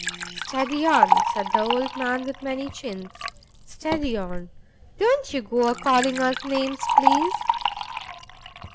"Steady on!" said the old gentleman with many chins. "Steady on! Don't you go a calling us names, please."